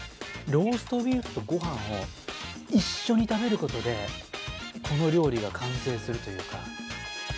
ローストビーフとごはんを一緒に食べることでこの料理が完成するというか。